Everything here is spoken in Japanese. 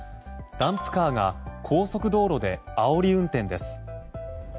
ダンプカーが高速道路であおり運転です。